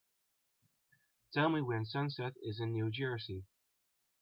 Tell me when Sunset is in New Jersey